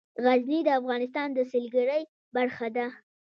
غزني د افغانستان د سیلګرۍ برخه ده.